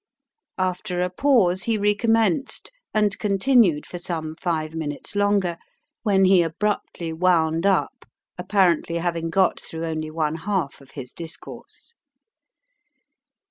After a pause he recommenced, and continued for some five minutes longer, when he abruptly wound up, apparently having got through only one half of his discourse.